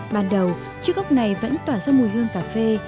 ban đầu chiếc gốc này vẫn tỏa ra mùi hương cà phê